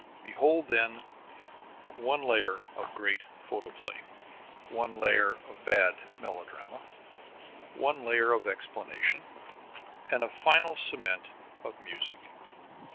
Behold then, one layer of great photoplay, one layer of bad melodrama, one layer of explanation, and a final cement of music.